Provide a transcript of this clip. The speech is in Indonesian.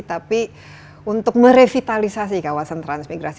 tapi untuk merevitalisasi kawasan transmigrasi